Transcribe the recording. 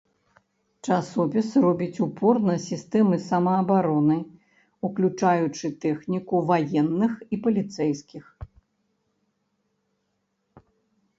Часопіс робіць упор на сістэмы самаабароны, уключаючы тэхніку ваенных і паліцэйскіх.